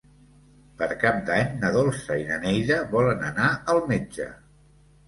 Per Cap d'Any na Dolça i na Neida volen anar al metge.